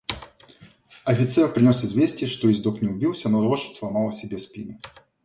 Офицер принес известие, что ездок не убился, но лошадь сломала себе спину.